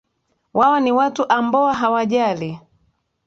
Wao ni watu amboa hawajali